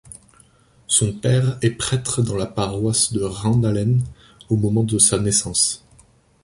Son père est prêtre dans la paroisse de Rendalen au moment de sa naissance.